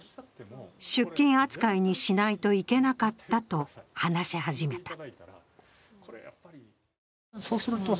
出勤扱いにしないといけなかったと話し始めた。